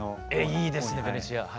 いいですねベネチア。